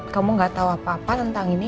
kamu gak tahu apa apa tentang ini